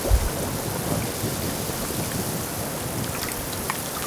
Condujo por largo tiempo la famosa "Fiesta de los pescadores".